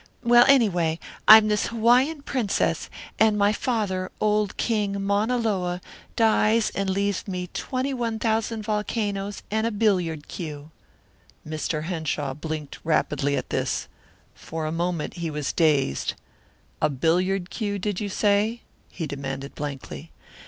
Well, anyway, I'm this Hawaiian princess, and my father, old King Mauna Loa, dies and leaves me twenty one thousand volcanoes and a billiard cue " Mr. Henshaw blinked rapidly at this. For a moment he was dazed. "A billiard cue, did you say?" he demanded blankly.